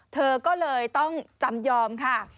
เธอก็เลยต้องจำยอมค่ะ